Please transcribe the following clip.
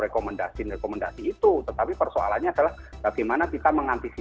rekomendasi rekomendasi itu tetapi persoalannya adalah bagaimana kita mengembalikan pendapatan yang berbeda